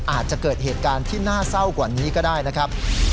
อาจจะเกิดเหตุการณ์ที่น่าเศร้ากว่านี้ก็ได้นะครับ